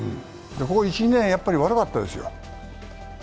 ここ１２年ちょっと悪かったですよ。